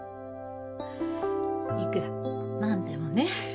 いくらなんでもね